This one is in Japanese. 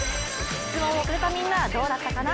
質問をくれたみんなどうだったかな？